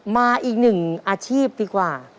มาอีกหนึ่งอาชีพดีกว่า